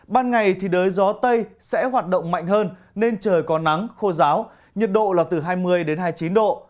ban ngày thì đới gió tây sẽ hoạt động mạnh hơn nên trời có nắng khô giáo nhiệt độ là từ hai mươi đến hai mươi chín độ